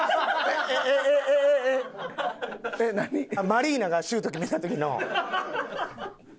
マリーナがシュート決めた時の。